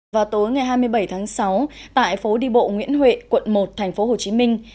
vào tối ngày hai mươi bảy tháng sáu tại phố đi bộ nguyễn huệ quận một thành phố hồ chí minh